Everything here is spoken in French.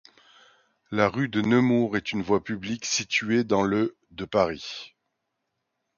La rue de Nemours est une voie publique située dans le de Paris.